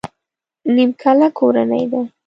نيمکله کورنۍ ده.